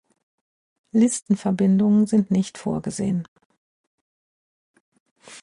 Listenverbindungen sind nicht vorgesehen.